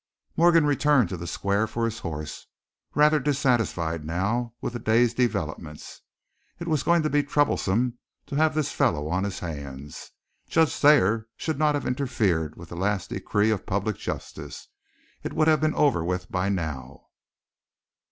Morgan returned to the square for his horse, rather dissatisfied now with the day's developments. It was going to be troublesome to have this fellow on his hands. Judge Thayer should not have interfered with the last decree of public justice. It would have been over with by now.